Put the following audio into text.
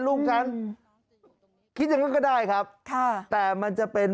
ลูกฉันคิดอย่างนั้นก็ได้ครับค่ะแต่มันจะเป็น